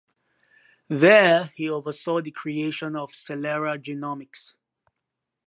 There he oversaw the creation of Celera Genomics.